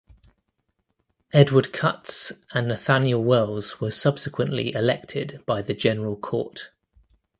Edward Cutts and Nathaniel Wells were subsequently elected by the General Court.